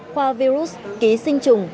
khoa virus ký sinh trùng